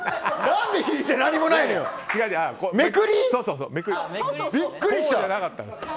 何で引いて何もないのよ！